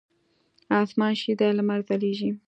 اسمان شین دی لمر ځلیږی